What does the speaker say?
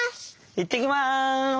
いってきます！